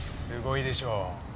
すごいでしょう？